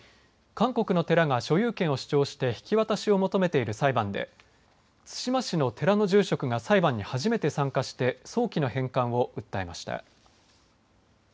韓国の寺が所有権を主張して引き渡しを求めている裁判で対馬市の寺の住職が裁判に初めて参加して早期の返還を訴えました。